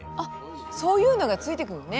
そういうのが付いてくるのね。